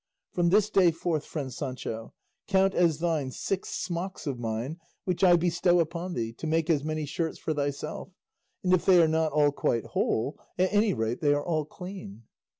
From this day forth, friend Sancho, count as thine six smocks of mine which I bestow upon thee, to make as many shirts for thyself, and if they are not all quite whole, at any rate they are all clean."